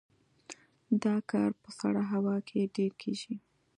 دا کار په سړه هوا کې ډیر کیږي